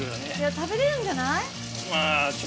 食べれるんじゃない？